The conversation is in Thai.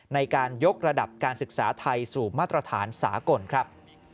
ในการยกระดับการศึกษาไทยสู่มาตรฐานสากลครับ